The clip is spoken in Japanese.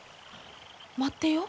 待ってよ。